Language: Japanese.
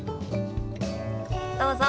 どうぞ。